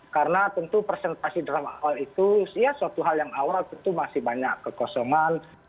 karena tentu presentasi draft awal itu ya suatu hal yang awal tentu masih banyak kekosongan